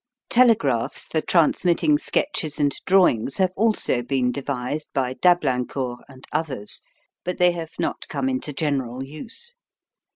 Telegraphs for transmitting sketches and drawings have also been devised by D'Ablincourt and others, but they have not come into general use.